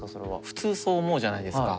普通そう思うじゃないですか。